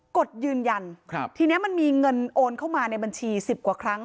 กดยืนยันทีนี้มันมีเงินโอนเข้ามาในบัญชี๑๐กว่าครั้ง